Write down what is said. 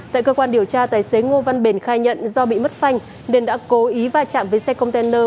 tại cơ quan điều tra tài xế ngô văn bền khai nhận do bị mất phanh nên đã cố ý va chạm với xe container